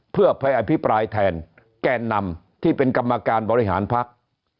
เพื่อไปอภิปรายแทนแกนนำที่เป็นกรรมการบริหารพัก